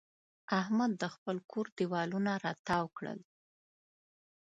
احمد د خپل کور دېوالونه را تاوو کړل.